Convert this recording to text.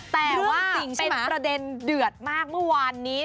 แต่ว่าเป็นประเด็นเดือดมากเมื่อวานนี้